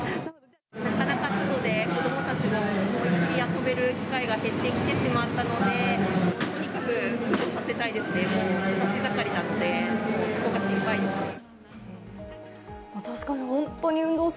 なかなか外で子どもたちも思いっ切り遊べる機会も減ってきてしまったので、とにかく運動させたいですね、育ち盛りなのでそこが心配です。